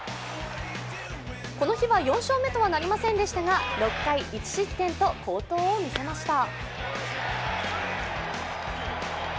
この日は４勝目とはなりませんでしたが６回１失点と好投を見せました。